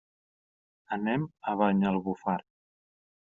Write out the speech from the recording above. Anem a Banyalbufar.